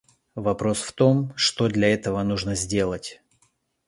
Вопрос в том, что для этого нужно сделать.